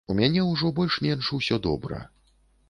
У мяне ўжо больш-менш усё добра.